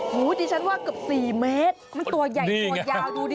หูดิฉันว่าเกือบ๔เมตรมันตัวใหญ่ตัวยาวดูดิ